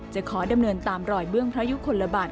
จะขอดำเนินตามรอยเบื้องพระยุคลบาท